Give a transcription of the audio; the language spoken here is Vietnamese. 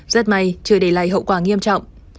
rất may chưa để lại hậu quả nghiêm trọng